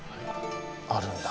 あるんだ。